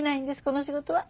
この仕事は。